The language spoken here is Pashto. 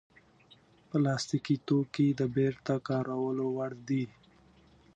پلاستيکي توکي د بېرته کارولو وړ دي.